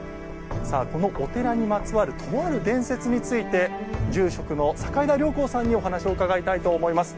このお寺にまつわるとある伝説について住職の坂井田良宏さんにお話を伺いたいと思います。